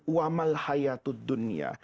wama'l hayatud dunia